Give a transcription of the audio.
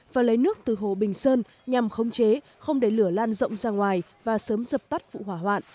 và lấy nước từ hồ bình sơn nhằm khống chế không để lửa lan rộng ra ngoài và sớm dập tắt vụ hỏa hoạn